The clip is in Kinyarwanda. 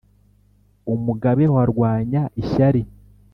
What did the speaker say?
umugabe wa rwanya ishyari